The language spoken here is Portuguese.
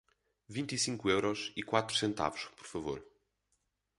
Vinte e cinco euros e quatro centavos, por favor.